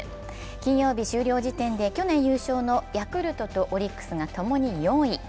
金曜日終了時点で去年優勝のヤクルトとオリックスが共に４位。